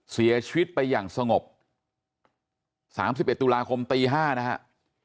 เสียชีวิตไปอย่างสงบ๓๑ตุลาคมตี๕นะครับ